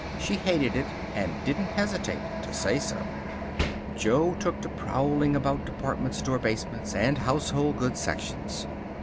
She hated it, and didn't hesitate to say so. Jo took to prowling about department store basements, and household goods sections.